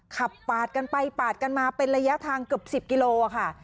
ขับปาดกันไปปาดกันมาเป็นระยะทางเกือบ๑๐กิโลค่ะ